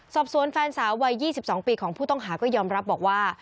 สอบสวนแฟนสาววัย๒๒ปีของผู้ต้องหาก็ยอมรับบอกว่า